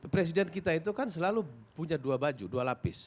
presiden kita itu kan selalu punya dua baju dua lapis